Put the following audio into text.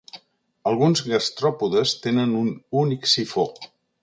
Alguns gastròpodes tenen un únic sifó.